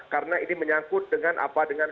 karena ini menyangkut dengan apa dengan